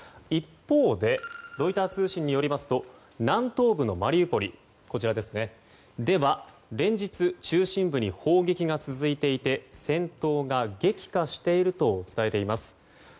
一方でロイター通信によりますと南東部のマリウポリでは連日、中心部に砲撃が続いていて戦闘が激化していると伝えています。